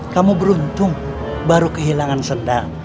kamu beruntung baru kehilangan sedang